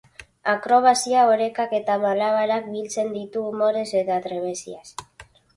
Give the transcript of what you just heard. Akrobazia, orekak eta malabarak biltzen ditu umorez eta trebeziaz.